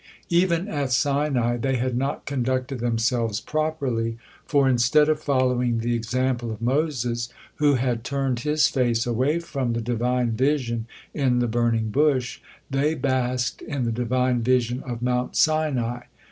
Even at Sinai they had not conducted themselves properly, for instead of following the example of Moses, who had turned his face away from the Divine vision in the burning bush, they basked in the Divine vision of Mount Sinai.